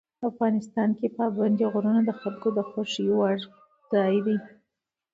افغانستان کې پابندی غرونه د خلکو د خوښې وړ ځای دی.